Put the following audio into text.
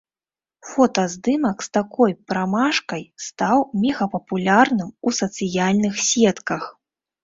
Фотаздымак з такой прамашкай стаў мегапапулярным у сацыяльных сетках.